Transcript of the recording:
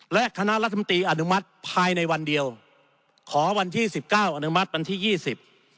และคณะรัฐมนตรีอนุมัติภายในวันเดียวขอวันที่๑๙อนุมัติวันที่๒๐